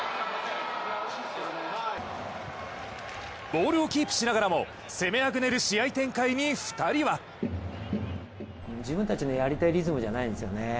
ボールをキープしながらも攻めあぐねる試合展開に２人は自分たちのやりたいリズムじゃないんですよね。